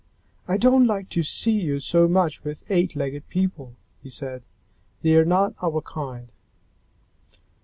"I don't like to see you so much with eight legged people," he said. "They are not our kind."